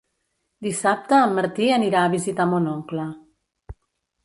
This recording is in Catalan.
Dissabte en Martí anirà a visitar mon oncle.